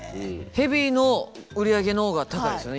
ヘビーの売り上げの方が高いですよね。